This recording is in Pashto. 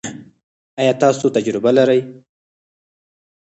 ایا تاسو تجربه لرئ؟